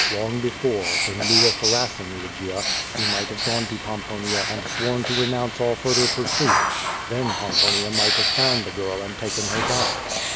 Long before, in lieu of harras8 ing Lygia, he might have gone to Pomponia and sworn to renounce all further pursuit. Then Pomponia might have found the girl and taken her back.